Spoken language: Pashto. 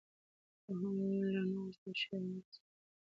دوهم له نه غوښتل شوي حالت څخه ګرځیدل دي.